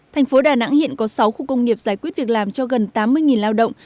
thành phố đà nẵng hiện có sáu khu công nghiệp giải quyết việc làm cho gần tám mươi lao động